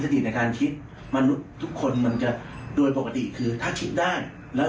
ดีในการคิดมนุษย์ทุกคนมันจะโดยปกติคือถ้าคิดได้แล้ว